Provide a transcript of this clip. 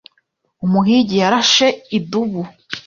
Umuhigi yarashe idubu.